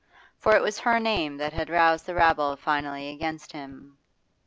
For it was her name that had roused the rabble finally against him.